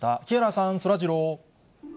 木原さん、そらジロー。